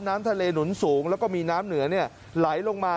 น้ำทะเลหนุนสูงแล้วก็มีน้ำเหนือไหลลงมา